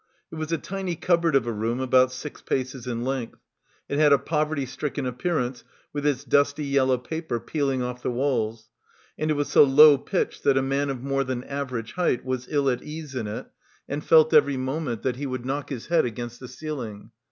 It was a tiny cupboard of a room about six paces in length. It had a poverty stricken appearance with its dusty yellow paper peeling off the walls, and it was so low pitched that a man of more than average height was ill at ease in it and felt every moment that he would knock his head against the ceiling.